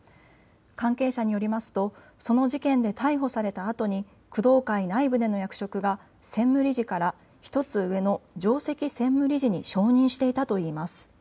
関係者によりますとその事件で逮捕されたあとに工藤会内部での役職が専務理事から１つ上の上席専務理事に昇任していたといいます。